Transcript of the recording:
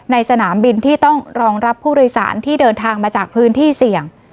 สนามบินที่ต้องรองรับผู้โดยสารที่เดินทางมาจากพื้นที่เสี่ยง